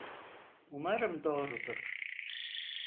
Umarım doğrudur.